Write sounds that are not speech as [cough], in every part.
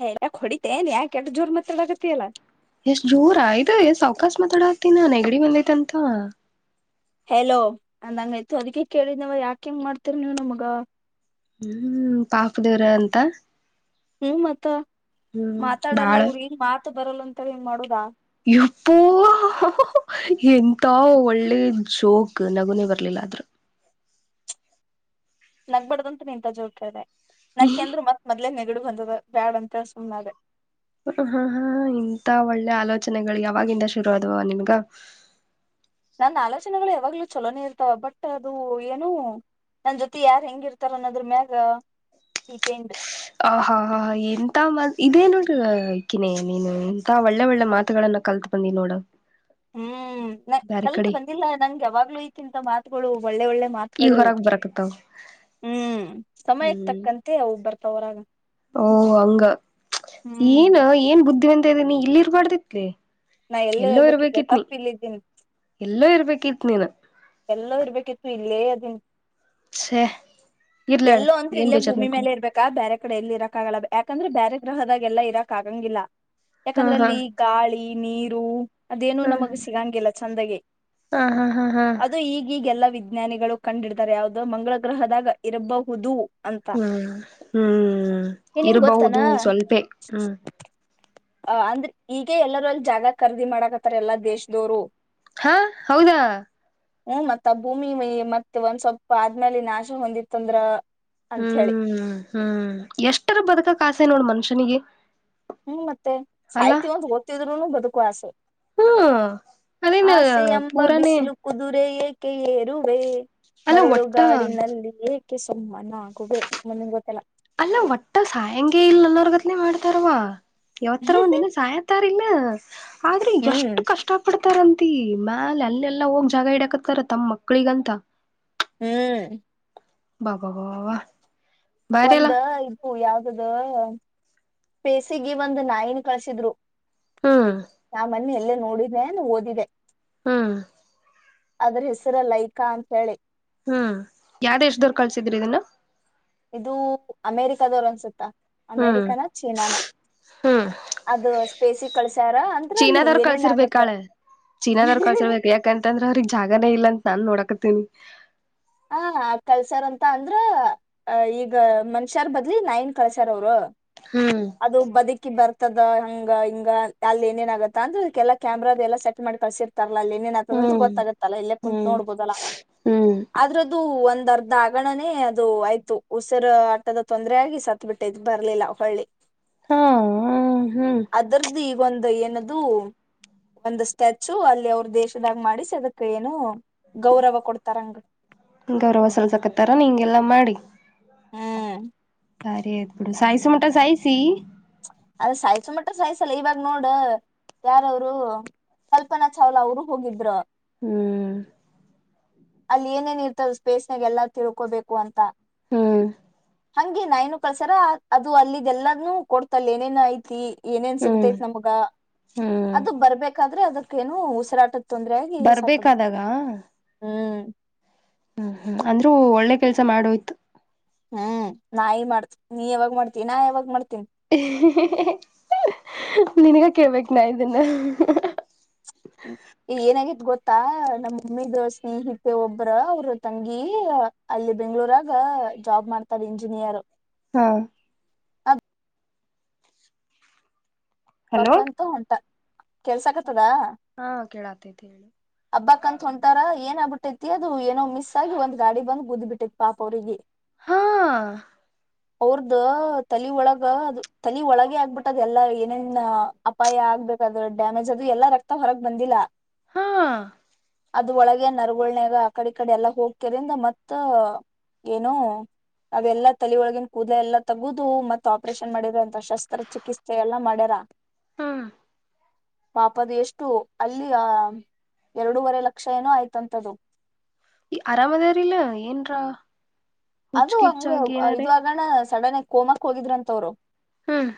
ಹ ಯಾ ಹೊಡಿತೇನ್ ಯಾಕೆಲ್ ಜೋರ್ ಮಾತ್ರ ಆಗತ ಅಲ್ಲಾ ಎಷ್ಟ್ ಜೋರ ಆಯ್ತ ಎಷ್ಟ ಸಾವಕಶ ಮಾತಾಡತೀನ ನೆಗಡಿ ಮಂದೈತೆಂತ ಹೆಲೋ ಅಂದಂಗಯ್ತು ಅದಕ್ಕೆ ಕೇಳಿದವ ಯಾಕ ಹೆಂಗ್ ಮಾಡ್ತಿರ ನೀವ್ ನಮ್ಗ ಹ್ಮ್ ಪಾಪ ದೇವರ ಅಂತ ಹ್ಮ್ ಮತ್ತ ಹ್ಮ್ ಬಾಳ ಮಾತಾಡಲ್ಲ ಹುಡ್ಗಿನ್ ಮಾತು ಬರಲ್ಲ ಅಂತ ಹೆಂಗ ಮಾಡುದಾ ಇಪ್ಪೋ ಎಂತ ಒಳ್ಳೆ ಜೋಕ್ ನಗುನ ಬರ್ಲಿಲ್ಲ ಆದ್ರೂ ನಗ್ ಬಡದಂತು ನಿಂತ ಜೋರ್ತ ಇದೆ ನಗ್ಕ ಅಂದ್ರ ಮತ್ ಮದ್ಲೆೇ ನಿ ಗಡು ಬಂದದ ಬ್ಯಾಡ್ ಅಂತೇಳ ಸುಮ್ನಳೆ ಹ ಹಾ ಹಾ ಇಂತ ಒಳ್ಳೆ ಆಲೋಚನೆಗಳು ಯಾವಾಗಿಂದ ಶುರು ಆದವ ನಿನ್ಗ [inaudible] ನಂದ ಆಲೋಚನೆಗಳು ಯಾವಾಗ್ಲೂ ಚಛಲೋನೇ ಇರ್ತಾವ ಬಟ್ ಅದು ಏನು ನನ್ ಜೊತೆ ಯಾರ್ ಹೆಂಗಿರ್ತಾರ ಅನ್ನೋದ್ರ ಮ್ಯಾಗ ದೀಪೇಂಡ್ ಆ ಹಾ ಹಾ ಎಂತ ಇದೇ ನೋಡ್ರಕಿನೇ ನೀನು ಎಂತ ಒಳ್ಳೆ ಒಳ್ಳೆ ಮಾತುಗಳನ್ನು ಕಲ್ತ್ ಬಂದಿ ನೋಡ ಹ್ಮ್ ನ ಬ್ಯಾರೆ ಕಲ್ತ್ ಕಡೆ ಬಂದಿಲ್ಲ ನಂಗೆ ಯಾವಾಗ್ಲೂ ಈಕ್ಕಿಂತ ಮಾತುಗಳು ಒಳ್ಳೆ ಒಳ್ಳೆ ಈಗ ಮಾತುಗಳು ಹೊರಗ್ ಬರಕತ್ತಾವ ಹ್ಮ್ ಸಮಯಕ್ಕೆ ಹ್ಮ್ ತಕ್ಕಂತೆ ಬರ್ ತೋರಾಗ ಓ ಹಂಗ ಹ್ಮ್ ಏನ್ ಏನ್ ಬುದ್ಧಿವಂತ ಇದದೆನಿ ಇಲ್ಲಿ ಇರ್ಬಾರ್ದಿತ್ಲಿ ನಾ ಎಲ್ಲೋ ಇರ್ಬೇಕಿತ್ಲೆ ಇರ್ಬೇಕಿತ್ ನೀ ತಪ್ಪ್ ಇಲ್ಲಿದ್ದೀನಿ ಎಲ್ಲೋ ಇರ್ಬೇಕಿತ್ ನೀನು ಎಲ್ಲ ಇರ್ಬೇಕಿತ್ತು ಇಲ್ಲೇ ಅದನ್ ಶ ಎಲ್ಲೋ ಅಂತ್ ಇಲ್ಲೇ ಭೂಮಿ ಮೇಲೆ ಇರ್ಬೇಕಾ ಬೇರೆ ಕಡೆ ಎಲ್ಲಿ ಇರಕ್ಕಾಗಲಬೇಕ ಯಾಕಂದ್ರೆ ಬೇರೆ ಗ್ರಹದಾಗೆಲ್ಲಾ ಇರಾಕ್ ಆಗಂಗಿಲ್ಲ ಹಾ ಯಾಕಂದ್ರೆ ಹಾ ಅಲ್ಲಿ ಗಾಳಿ ನೀರು ಅದೇನು ನಮಗ ಸಿಗಂಗಿಲ್ಲ ಚಂದಗೆ ಹ ಹಾ ಹಾ್ ಹಾ ಅದು ಈಗೀಗ್ ಎಲ್ಲಾ ವಿಜ್ಞಾನಿಗಳು ಕಂಡಿಡ್ತಾರೆ ಯಾವು್ದೋ ಮಂಗಳ ಗ್ರಹದಾಗ ಇರಬಹುದು ಅಂತ. ಹ್ಮ್ ಹ್ಮ್ ಏ ನಿಂಗ್ ಗೊತ್ತನ ಇರ್ಬಹುದು ಸ್ವಲ್ಪೇ ಹ್ಮ್ ಅ ಅಂದ್ರೆ ಈಗ ಎಲ್ಲರೂ ಅಲ್ಲಿ ಜಾಗ ಖರೀದಿ ಮಾಡಕತ್ತಾರ ಎಲ್ಲಾ ದೇಶದವರು ಹಾ ಹೌದಾ ಹ್ಮ್ ಮತ್ ಆ ಭೂಮಿ ಮತ್ತೆ ಒಂದ್ ಸ್ವಲ್ಪ ಆದ್ಮೇಲೆ ನಾಶ ಹೊಂದಿತ್ತ ಅಂದ್ರ ಹ್ಮ್ ಹ್ಮ್ ಎಷ್ಟರ ಬದಕ ಕಾಸೆ ನೋಡ್ ಮನುಷ್ಯನಿಗೆ ಹ್ಮ್ ಮತ್ತೆ ಅಲ್ಲ ಸಹ್ತಿ ಒಂದು ಓದ್ತಿದ್ರುನು ಬದುಕುವ ಆಸೆ ಹ್ಮ್ ಅದೇನ್ ಆಸೆ ಎಂಬ ಪೂರಾನೇ ಬಿಸಿಲು ಕುದುರೆ ಏಕೆ ಕೆ ಏರುವೆ ಅಲ್ಲ ಮರಳು ಒಟ್ಟ ಗಾಡಿನಲ್ಲಿ ಏಕೆ ಸುಮ್ಮನೆ ಅಲ್ಲ ಒಟ್ಟ ಸಾಯಂಗೆ ಇಲ್ಲ ಅನ್ನೋರ್ಗತ್ನೆ ಮಾಡ್ತಾರವಾ ಯಾವತ್ತರ ಒಂದ್ಿನ ಸಾಯತಾರ್ಿಲ್ಲ ಆದ್ರೆ ಹ್ಮ್ ಎಷ್ಟು ಕಷ್ಟ ಪಡ್ ಹತಾರಂತಿ ಮ್ಯಾಲ ಅಲ್ಲೆಲ್ಲಾ ಹೋಗಿ ಜಾಗ ಹಿಡಾಕತ್ತಾರ ತಮ್ಮ ಮಕ್ಳಿಗಂತ ಹ್ಮ್ ಬಾ ಬ ಒಂದ ಇದು ಯಾವ್ದದು ಪೇಸಿಗೆ ಒಂದು ನಾಯಿನ ಕಳ್ಸಿದ್ರು ಹಾ ನಾ ಮೊನ್ನೆ ಎಲ್ಲೇ ನೋಡಿದೆೆ ಓದಿದೆ ಹಾ ಅದ್ರ ಹೆಸರಲ್ಲ ಲಿಕಾ ಅಂತ ಹೇಳಿ ಹ್ಮ್ ಯಾವ್ದ ಎಷ್ಟ್ದವರು ಕಳ್ಸಿದ್ರಿ ಇದನ್ನ ಇದು ಅಮೇರಿಕದವರು ಅನ್ಸುತ್ತಾ ಹ್ಮ್ ಅಮೇರಿಕಾನ ಚೀನಾನ ಅದು ಸ್ಪೇಸಿ ಕಳಸ ಚೀನಾದವ್ರರು ಕಳ್ಸಿರ್ಬೇಕಾಳೆ ಚೀನಾದವ್ರರು ಕಳ್ಸಿರ್ಬೇಕ ಯಾಕಂತಂದ್ರ ಅವ್ರಗ್ ಜಾಗನೇ ಇಲ್ಲಂತ ನನ್ ನೋಡಕತಿನಿ ಹ ಆ ಕಲ್ಸರ್ ಅಂತ ಅಂದ್ರ ಈಗ ಮನ್ಷ್ಯಾರ್ ಬದ್ಲಿ ನಾಯಿನ ಕಲ್ಸರ್ ಅವರು ಹ್ಮ್ ಅದು ಬದುಕಿ ಬರ್ತ ದ ಹಂಗ ಹಿಂಗ ಅಲ್ಲಿ ಏನೇನ ಆಗತ್ತ ಅಂದ್ರ ಅದಕ್ಕೆಲ್ಲಾ ಕ್ಯಾಮ್ರಾದ ಎಲ್ಲ ಸೆಟ್ ಮಾಡಿ ಕಳ್ಸಿರ್ತ ಲ್ಲ ಅಲ್ಲಿ ನೇನ್ ಆತದಂತೂ ಹ್ಮ್ ಗೊತ್ತಾಗತ್ತಲ್ಲ ಇಲ್ಲೇ ಕುಂತ್ ಹ್ಮ್ ನೋಡ್ಬೋುದಲ್ಲಾ ಹ್ಮ್ ಅದು ಒಂದ್ ಅರ್ಧ ಆಗಣನೇ ಅದು ಆಯ್ತು ಉಸಿರ ಆಟದ ತೊಂದರೆ ಆಗಿ ಸತ್ ಬಿಿಟ್ಟೆ ಬರ್ಲಿಲ್ಲ ಹಳ್ಳಿ ಹಾ ಹ್ಮ ಹ್ಮ್ ದು ಈಗೊಂದು ಏನದು ಒಂದು ಸ್ಟ್ಯಾಚು ಅಲ್ಲಿ ಅವ್ರ ದೇಶದಾಗ ಮಾಡಿಸಿ ಅದಕ್ಕ ಏನು ಗೌರವ ಕೊಡ್ತಾರಂಗ ಗೌರವ ಸಲ್ಸಕತ್ತಾರ ನಿಂಗೆಲ್ಲಾ ಮಾಡಿ ಹ್ಮ್. ಬಾರಿ ಅ ಸಾಯಸ ಮಟಾ ಸಾಯಿಸಿಿ ಅದ ಸಾಯಸು ಮಟ್ಟ ಸಾಯಸಲ್ಲ ಇವಾಗ ನೋಡ್ ಯಾರವರು ಕಲ್ಪನಾ ಚಾವ್ಲಾ ಅವರು ಹೋಗಿದರು ಹ್ಮ್ ಅಲ್ಲಿ ಏನೇನ್ ಇರ್ತದ ಸ್ಪೇಸ್ ನಾಗ ಎಲ್ಲ ತಿಳ್ಕೋಬೇಕು ಅಂತ ಹ್ಮ್ ಹಗೆ ನೈನ್ ಕಲ್ಸರ ಅದು ಅಲ್ಲಿ ಎಲ್ಲದನು ಕೊಡ್ತಲ್ಲ ಏನೇನ್ ಐತಿ ಏನೇನ್ ಹ್ಮ್ ಸಿಗ್ತೈತಿ ನಮ್ಗ ಹ್ಮ್ ಅದು ಬರ್ಬೇಕಾದ್ರೆ ಅದಕ್ಕೇಏನು ಉಸಿರಾಟ ಬರ್ಬೇಕಾದಾಗ ಹ್ಮ್ ಹ್ಮ್ ಹ್ಮ್ ಅಂದ್ರೂ ಒಳ್ಳೆ ಕೆಲ್ಸ ಮಾಡೋಯ್ತು ಹ್ಮ್ ನಾಯಿ ಮಾಡ್ತ ನೀ ಯಾವಾಗ ಮಾಡ್ತ ನಾ ಯಾವಾಗ್ ಮಾಡ್ತ ನಿನಗ ಕೇಳ್ಬೇಕ ನಾ ಇದನ್ನ [inaudible] ಏನಾಗಿದ ಗೊತ್ತಾ ನಮ್ಮ ಮಮ್ಮಿದ ಸ್ನೇಹಿತೆ ಒಬ್ಬ್ರ ಅವ್ರ ತಂಗಿ ಅಲ್ಲಿ ಬೆಂ್ಳೂರಾಗ ಜಾಬ್ ಮಾಡ್ತಾರೆ ಇಂಜಿನಿಯರ್ ಹಾ ಅ ಹಲೋ ಬಕಂತು ಉಂಟ ಕೆಲ್ಸ ಆಕತದಾ ಹಾ ಕೇಳಾತೈತಿ ಹೇಳಿ ಹಬ್ಬಾಕ್ ಅಂತ ಹೊಂಟಾರ ಏನ್ ಆಗ್ಬಿಟ್ಟೈತಿ ಅದು ಏನೋ ಮಿಸ್ ಆಗಿ ಒಂದ್ ಗಾಡಿ ಬಂದ್ುದ್ಬ ಬಿಟ್ಟೈತಿ ಪಾಪ ಅವ್ರಿಗೆ ಹಾ ಅವ್ರದ ತಲ ಒಳಗ ಅದು ತಲ ಒಳಗ ಆಗ್ಬಿಟ್ಟದ ಎಲ್ಲಾ ನಿನ್ ಅಪಾಯ ಆಗ್ಬೇಕಾದ್ರೆ ಡ್ಯಾಮೇಜ್ ಆದದು್ರೂ ಎಲ್ಲಾ ರಕ್ತ ಹೊರಗ್ ಬಂದಿಲ್ಲ ಹಾ ಅದ ಒಳಗೆ ನರಗಳ್ನಾಗ ಆಕಡೆ ಕಡೆ ಎಲ್ಲ ಹೋಗಕ್ಯದ್ರಿಂದ ಮತ್ತ ಏನು ಅವೆಲ್ಲಾ ತಲಿಯೊಳಗನ್ ಕೂದ ಎಲ್ಲ ತಗದು ಮತ್ ಆಪರೇಷನ್ ಮಾಡಿದ ಅಂತ ಶಸ್ತ್ರ ಚಿಕಿತ್ಸೆ ಎಲ್ಲಾ ಮಾಡ ಅಡರ ಹಾ ಪಾಪದ ಎಷ್ಟು ಅಲ್ಲಿ ಆ ಎರಡೂವರೆ ಲಕ್ಷ ಏನೋ ಆಯ್ತಂಥ್ದು ಈ ಅರಾಮದಾರಲ ಏನ್ಾ ಅದು ಹಂಗ ಇದ ಆಾಗಣ ಸಡನ್ ಆಗಿ ಕೋಮಕ್ ಹೋಗಿದ್ರಂತವ್ರು ಹ್ಮ್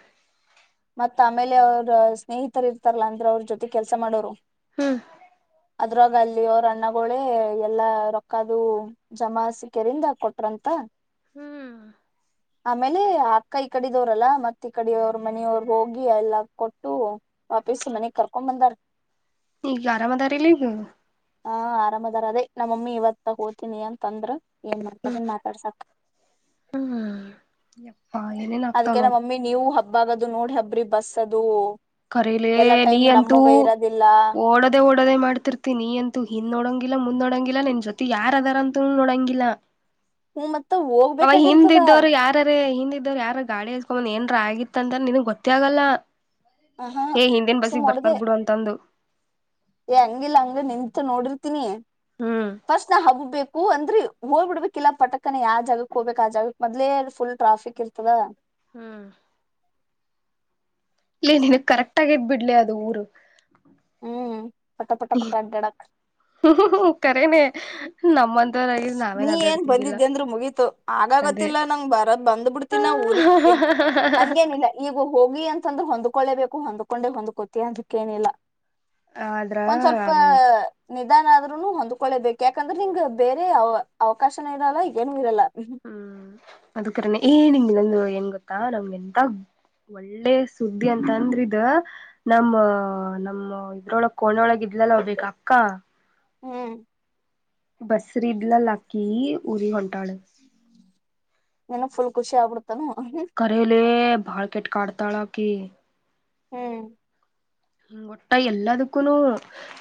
ಮತ್ತ ಆಮೇಲೆ ಅವ್ರ ಸ್ನೇಹಿತರು ಇರ್ತಾರಲ್ಲಾ ಅಂದ್ರ ಅವ್ರ ಜೊತೆ ಕೆಲ್ಸ ಮಾಡೋರು ಹ್ಮ ಅದ್ರಾಗ ಅಲ್ಲಿ ಅವ್ರ ಅಣ್ಣಗಳೇ ಎಲ್ಲಾ ರೊಕ್ಕದು ಜಮಾ ಸಿಿಕರಿಿಂದ ಕೊಟ್ರಂತ ಹ್ಮ್ ಆಮೇಲೆ ಅಕ್ಕ ಈ ಕಡಿದವ್ರಲ್ಲ ಮತ್ತತ್ ಈ ಕಡೆಯವರು ಮನೆಯವರು ಹೋಗಿ ಎಲ್ಲ ಕೊಟ್ಟು ವಾಪಸ ಮನೆಗ್ ಕರ್ಕೊಂಡ್ ಬಂದಾರ ಈಗ ಆರಾಮದಾರಲಿ ಈಗ ಹಾ ಆರಾಮದಾರ ಅದೇ ನಮ್ಮಮ್ಮಿ ಇವತ್ ಹೋತೀನಿ ಅಂತಂದ್ರ ಏನ್ ಮಾಡ್ತಾರನ್ ಮಾತಾಡ್ಸಕ್ ಹ್ಮ್ ಯಪ್ಪಾ ಏನೇನ್ ಅದ್ಕ ಆಗ್ತಾವ್ ನ ನೋಡ ಮಮ್ಮಿ ನೀವು ಹಬ್ಬಾಗದು ನೋಡಿ ಹಬ್ಬ್ರಿ ಬಸ್ಸ ಅದು ಕರೆಲೆ ಎಲ್ಲಾ ನೀ ಟೈಮ್ ಅಂತು ನಮ್ಮವೇ ಇರೋದಿಲ್ಲ ಓಡದೆೇ ಓಡದೆೇ ಮಾಡ್ತಿರ್ತೀನಿ ಅಂತೂ ಹ್ ನೋಡಂಗಿಲ್ಲಾ ಮುಂದ ನೋಡಂಗ ಲ್ಲ ನಿನ್ ಜೊತೆ ಯಾರ ಅದಾರ ಅಂತೂ ನೋಡಂಗಿಲ್ಲ ಹ್ಮ ಮತ್ತ ಅವ ಹೋಗ್ಬೇಕಾಗಿರ್ತದ ಹಿಂದ್ದವರು ಯಾರಾರ ಹಿಂದ ಯಾರ ಗಾಡಿ ಹಸ್ಕೊಂಬ್ ಏನ್ರ ಆಗಿತ್ತ ಅಂತ ನಿನ್ಗ್ ಗೊತ್ತ ಆಗಲ್ಲ ಆಹಾ ಏ ಹಿಂದೇನ್ ಸುಮ್ ಬಸ್ಸಿಗೆ ಬರ್ತಾರ ಹೊಡದೆ ಬಿಡು ಅಂತಂದು ಏ ಹಂಗಿಲ್ಲ ಹಂಗ ನಿಂತ ನೋಡಿರ್ತೀನಿ ಹ್ಮ್ ಫಸ್ಟ್ ನಾ ಹಬ್ಬೇಕು ಅಂತ ಅದ್ರೆ ಹೋ್ಬ ಬಿಡ್ಬೇಕಿಲ್ಲಾ ಪಟಕನ ಯ ಜಾಗಕ್ ಹೋಗ್ಬೇಕಕ್ ಆ ಜಾಗಕ್ ಮದ್ಲೇ ಫುಲ್ ಟ್ರಾಫಿಕ್ ಇರ್ತದ ಹ್ಮ್ ಇಲ್ಲ ನೀನು ಕರೆಕ್ಟ್ ಆಗದ್ ಬಿಡ್ಲಿ ಅದು ಊರು ಹ್ಮ್ ಪಟ ಪಟ ಪಟ ಅಡ್ಡಾಡಕ್ ಹ ಕೇ ನ ನಮ್ಮಂತವರಗ ನಾ ನೀ ಏನ್ ಬಂದಿದ್ದಿ ಅಂದರು ಮುಗೀತು ಅದೇ ಆಗಾಗತ್ತಿಲ್ಲಾ ನಂಗ ಬರದ್ ಬಂದ್ ಬಿಡ್ತಿನ ಊರಗಿ ಅಂದ ಹಂಗೇನಿಲ್ಲ ಈಗ ಹೋಗಿ ಅಂತಂದ್ರೆ ಹೊಂದ್ಕೊಳ್ಳೇಬೇಕು ಹೊಂದ್ಕೊಂಡೆ ಹೊಂದ್ಕೋತಿ ಅಂದಕ್ಕೇನಿಲ್ಲ ಆದ್ರ ಒಂದ್ ಸ್ವಲ್ಪ ಹಂಗ ನಿಧಾನ ಆದ್ೂನು ಹೊಂದ್ಕೊೊಳ್ಳೇಬೇಕಕ್ ಯಾಕಂದ್ರೆ ಹಿಂಗ ಬೇರೆ ಅವ ಅವಕಾಶನ ಇರಲ್ಲ ಏನು ಇರಲ್ಲ ಹ್ಮ್ ಅದಕನ ಏ ನಿಂಗಗೆ ನಂದು ಹೆಂಗ ಗೊತ್ತಾ ನಮ್ಗೆ ಎಂತ ಒಳ್ಳೆ ಸುದ್ದಿ ಅಂತ ಅಂದ್ರ ಇದ ನಮ್ಮ ನಮ್ಮ ಇದ್ರೊಳ ಕೋಣೊಳಗ ಎಲ್ಲಲ್ಲ ಹೋಗ್ಬೇಕ ಅಕ್ಕಾ ಹ್ಮ್ ಬಸ್ರ ಇಡ್ಲಲ್ಲಾಕ್ಕಿ ಉಊರಿ ಹೊಂಟಾಳೆ ನ ಫು ಖುಷ ಆಬ ಕರಲೆ ಬಾಳ್ ಕೆಟ್ ಕಾಡ್ತಾಳ ಕ ಹ್ಮ್ ಹ ಒೊಟ್ಟ ಎಲ್ಲದಕ್ಕೂನು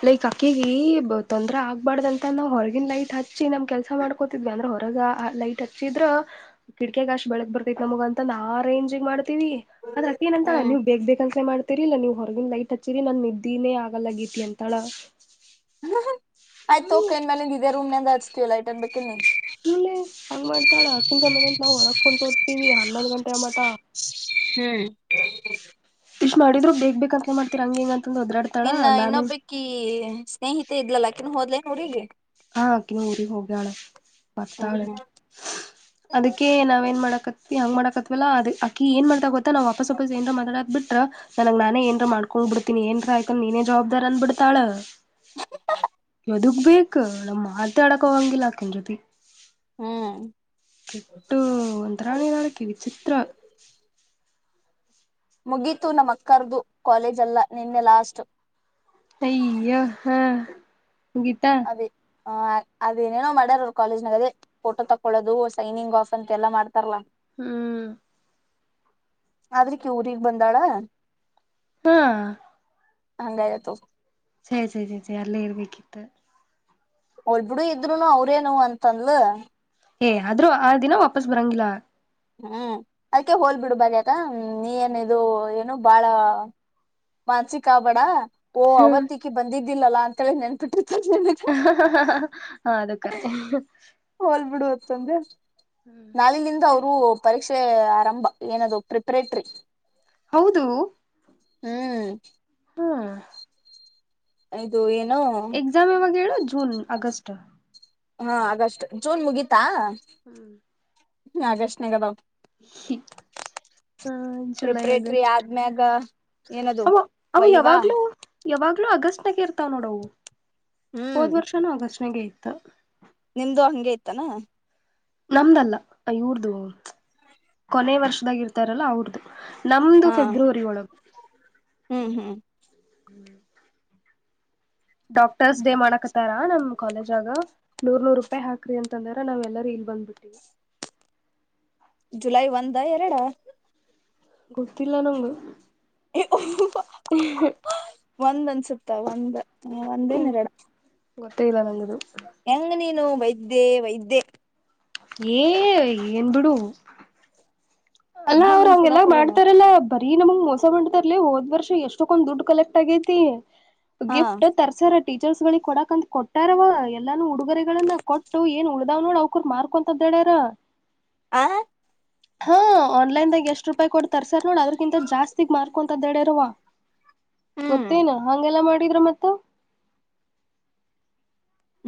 ಲೈಕ್ ಅಕ್ಕಿಗ ತೊಂದ್ರೆ ಆಗ್ಬಾರಡ್ದಂತ ನಾವ್ ಹೊರಗ ಲೈಟ್ ಹಚ್ಚಿ ನಮ್ ಕೆಲಸ ಮಾಡ್ಕೋತಿದ್ವಿ ಅಂದ್ರೆ ಹೊರಗ ಆ ಲೈಟ್ ಹಚ್ಚಿದ್ರ ಕಿಟಕಗ ಅಷ್ಟ್ ಬೆಳಗ್ಕ್ ಬರ್ತೈತಿ ಮಗ ಅಂತ ನಾ ಅರೇಂಜಿಗ್ ಮಾಡ್ತೀವಿ ಅದಕ್ಕಏನ ಅಂತಾ ಹ್ಮ್ ನೀವು ಬೇಕ್ ಬೇಕ ಅಸಲ ಮಾಡತೀರಿ ಇಲ್ಲ ನೀವು ಹೊರಗಿನ ಲೈಟ್ ಕಚೇರಿ ನನ್ ನಿದ್ದೇನೇ ಆಗಲ್ಲಗೇತಿ ಅಂತಳ ಆಯ್ತು ಓಕೆನ್ ಮೇಲೆ ಇದೇ ರೂಮ್ನಿಂದ ಹರ್ಸ್ತೀವಲ್ಲಾ ಐಟ್ ಅನ್ ಬೇಕಿನ್ ನೀ ಇಲ್ಲೇ ಹಂಗ್ ಮಾಡ್ತಾಳ ಆಕಿನ ಸಮಯಂತ ನಾವ್ ಹೊರಗ್ ಕುಂತು ಹೋಗ್ತೀವಿ ಹನ್ನೊಂದು ಗಂಟೆ ಅ ಮಟ ಹ್ಮ್ ಇಷ್ಟ್ ಮಾಡಿದ್ ಬಕ್ ಬೇಕ ಅಂತ ಮಾಡ್ತೀ ಹಿಂಗಂತ ನಿನ್ನ ಇನ್ನೊಬ್ಬಕ್ಕ ಸ್ನೇಹಿತೆ ಇದ್ಲಲ್ಲಾಕಿನ್ನು ಹೋದ್ಲ ಹುಡುಿಗೆ ಹಾ ಕನೂರಿ ಹೋಗಣ ಹ್ಮ್ ಪತ್ತಾಳು ಹ್ಮ್ ಅದಕ್ಕೇ ನಾವೇನ್ ಮಕ ಹಂಗ್ ಮಾಡಕತ್ವಲ್ಲ ಅಕ್ಕಕ ಏನ್ ಮಾಡತ ಗೊತ್ತ ನಾವು ವಪಸ್ಾಪಸ್ ಏಂದತಡ್ ಬಿಟ್ ನನಗ್ ನಾನೇ ಏನ್ರ ಮಾಡ್ಕೊಂಡ್ ಬಿಡ್ತೀನಿ ಏನ್ರ ಆಯ್ತ ನೀನೇ ಜವಾಬ್ದಾರ್ ಅಂದಬಿಡ್ತಾಳ ಯದುಗ್ ಬಕ್ ನಮ್ಮ್ ಮಾತ ಆಡಕ ಹೋಗಂಗಿಲ್ಲ ಅಕನ್ ಜತಿ ಹ್ಮ್ ಕೆಟ್ಟು ಒಂದರಣೆ ನಳಕ ವಿಚಿತ್ರ ಮುಗೀತು ನ ಅಕ್ಕರ್ದು ಕಾಲೇಜಲ್ಲ ನಿನ್ನೆ ಲಾಸ್ಟ್ ಅಯ್ಯೋ ಹಾ ಗೀತಾ ಆ ಅದ ಏನೇನೋ ಮಾಡಾರ ಅವ್ ಕಾಲೇಜನಾಗದ ೋ ತಕೊೋದು ಸೈನಿಂಗ್ ಆಫ್ ಅಂತೆ ಎಲ್ಲ ಮಾಡ ಹ್ಮ್ ಆದ್ರಕ್ಕೆ ಊಗ್ ಬಂದಾಳ ಹಾ ಹಂಗಾಯತ ಸರಿ ಸರಿ ಸೇ ಸರಿ ಅಲ್ಲೇ ಇರ್ಬೇಕಕ್ಕಿತ್ತು ಒಲ್ ಬಿಿಡು ಇದ್ರುನು ಅವ್ರೇನು ಅಂತಂದಲ ಏ ಆದ್ರೂ ಆ ದಿನ ವಾಪಸ್ ಬರಂಗಿಲ್ಲ ಹ್ಮ್ ಅದಕ್ಕೆ ಹೋಲ್ ಬಿಿಡು ಬ ಆತಾ ನೀ ಏನ್ ಇ ಏನು ಬಾಳ ಮಾನ್ಸಿಕ ಆ ಬೇಡ ಓ ಹ್ಮ ಅವತ್ತಿಗೆಿ ಬಂದಿದ್ದಿಲ್ಲಲಾ ಅಂತೇಳಿ ನೆನ್ಪಿಟ್ಟ ಹ ಹ ಹ ಹ ಹ ಅದು ಕರೆ ಹಲ್ ಬಿಿಡುುವತ್ತಂದೆ ನಾಲಿನಿಂದ ಅವರು ಪರೀಕ್ಷೆ ಆರಂಭ ಏನದು ಪ್ರಿಪರೇಟ್ರರಿ ಹೌದು ಹ್ಮ್ ಹ್ಮ ಆಯದು ಏನ್ ಎಕ್ಸಾಮ ವೇರ ಜನ್ ಆಗಸ್ಟ್ ಹಾ ಆಗಸ್ಟ್ ಜೂನ್ ಮುಗೀಿತಾ ಹ್ಮ್ ನಾಗೇಶನೆಗದಾವ ಸಿ ಹಾ ಜುಲೈ ಪ್ರಿಪ್ರೇಟ್ರಿ ಆಗಸ್ಟ್ ಆದ್ಮ್ಯಾಗ ಏನದು ಅವ ಅವ ವೈವಾ ಯಾವಾಗ್ಲೂ ಯಾವಾಗ್ಲೂ ಅಗಸ್ಟ್ನಾಗ ಇರ್ತಾವ ನೋಡವು ಹ್ಮ್ ಹೋದ್ ವರ್ಷನುೂ ಅಗಸ್ಟ್ನಾಗ ಯತ ನಿಮ್ದು ಹಂಗಗೆ ಇತಾನ ನಮ್ದಲ್ಲ ಇವ್ರದು ಕೊನೆ ವರ್ಷದಾಗಿ ಇರ್ತಾರಲ್ಲ ಅವ್ರದುು ನಮ್ದು ಹಾ ಫೆಬ್ರವರಿ ಒಳಗೆ ಹ್ಮ್ ಹ್ಮ್ ಡಾಕ್ಟರ್ಸ್ ಡೇ ಮಾಡಕತ್ತಾರ ನಮ್ ಕಾಲೇಜ್ ಆಗ ನೂರ್ ನೂರ್ ರೂಪಾಯಿ ಹಾಕ್ರಿ ಅಂತ ತಂದ್ರ ನಾವೆ ಎಲ್ಲಾರೂ ಇಲ್ ಬಂದ್ ಬಿಿಟ್ಟೀವಿ ಜುಲೈ ಒಂದ ಎರಡ ಗೊತ್ತಿಲ್ಲ ನಮಂಗು ಒಂದ್ ಅನ್ಸುತ್ತ ಒಂದ ಒಂದೇನ್ರಡ ಗೊತ್ತೇ ಇಲ್ಲ ನಂಗದು ಹೆಂಗ ನೀರು ವೈದ್ಯೆ ವೈದ್ಯೆ ಏ ಏನ್ ಬಿಡು ಅಲ್ಲಾ ಇದ್ನ ಅವ್ರು ಹಂಗೆಲ್ಲ ನೆನ್ಪಿಡಕ್ ಆಗಲ್ಲ ಮಾಡ್ತಾರಲ್ಲಾ ಬರೀ ನಮಗ್ ಮಸ ರ್ಲಿ ಹೋದ್ ವರ್ಷ ಎಷ್ಟಕ್ಕೊಂದ್ ದುಡ್ಡು ಕಲೆಕ್ಟ್ ಆಗೈತಿ ಹಾ ಗಿಫ್ಟ್ ತರ್ಸ ಟೀಚರ್ಸ್ ಗಳಿಗೆ ಕೊಡಕಂತ ಕೊಟ್ಟಾರವ ಎಲ್ಲಾನೂ ಉಡುಗರೆಗಳನ್ನ ಕೊಟ್ಟ ಏನ್ ಉಳ್ದಾವ್ ನೋಡ ಅವಕರು ಮಾರ್ಕೊಂತದ್ದ ಡಾರ ಆ ಹಾ ಆನ್ಲೈನ್ದಾಗ ಎಷ್ಟು ರೂಪಾಯಿ ಕೊಡ್ತರ್ ಸರ್ ನೋಡ ಅದಕ್ಕಿ ಜಸ್ತಿ ಮಾರ್ಕ್ಂತ ಡರ್ರುವ ಹ್ಮ್ ಗೊತ್ತೇನ್ ಹಂಗೆಲ್ಲ ಮಾಡಿದ್ರ ಮತ್ತ [inaudible]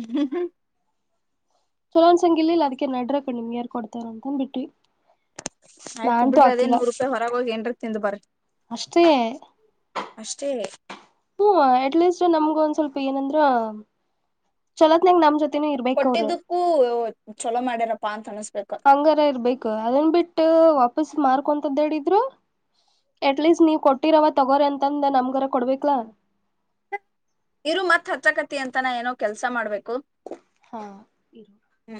ಹ್ಮ ಹ್ಮ ಚಲೋನ್ಸಂಗಿ ಇಲ್ಲ ಅದಕಕ್ಕೆ ನಡ್ರಕಕ್ ನಿಮ್ಗೆ ಯಾರ್ ಕೊಡ್ತಾರ ಅಂತಂದ ಬಿಟ್ವಿ ಆಯ್ತು ನಾನ್ಂತೂ ಬಿಡ್ರಿ ಅದೇ ಹಾಕಿಲ್ಲ ನೂರು ರೂಪಾಯಿ ಹೊರಗೆ ಹೋಗಿ ಏನ್ರ ತಿಂದು ಬರ ಅಷ್ಟೇ ಅಷ್ಟೇ ಹ್ಮ ಅಟ್ಲೀಸ್ಟ್ ನಮ್ಗ ಒಂದ್ ಸ್ವಲ್ಪ ಏನಂದ್ರ ಚಲತ್ನಾಗ ನಮ್ ಜೊತೆ ಕೊಟ್ಟಿದ್ದಕ್ಕೂ ಚೊಲೋ ಮಾಡ್ಯಾರಪ್ಪಾ ಅಂತ ಅನ್ಸ್ ಹಂಗಾರ ಇರ್ಬೇಕು ಅದನ್ ಬಿಟ್ಟ ವಾಪಸ ಮಾರ್ಕೊಂತದ್ದಡಿದ್ರು ಎಟ್ಲೀಸ್ಟ್ ನೀವ್ ಕೊಟ್ಟಿರವ ತಗೋರ ಅಂತಂದ ನಮ್ಗರ ಕೊಡ್ಬೇಕಲಾ ಇರು ಮತ್ತ್ ಹಚ್ಚಕತಿ ಅಂತಾನ ಏನೋ ಕೆಲ್ಸ ಮಾಡ್ಬೇಕು ಹಾ ಇ ಹ್ಮ್